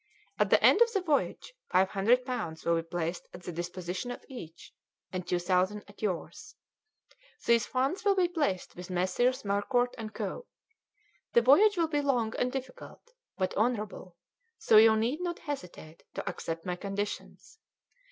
At the end of the voyage five hundred pounds will be placed at the disposition of each, and two thousand at yours. These funds will be placed with Messrs. Marcuart and Co. The voyage will be long and difficult, but honourable, so you need not hesitate to accept my conditions.